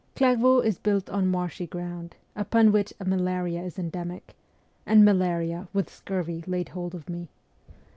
Clairvaux is built on marshy ground, upon which malaria is endemic, and malaria, with scurvy, laid hold of me.